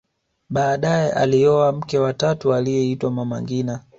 baadaye alioa mke wa tatu aliyeitwa mama ngina